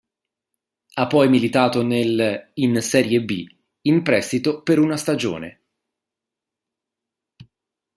Ha poi militato nel in Serie B, in prestito per una stagione.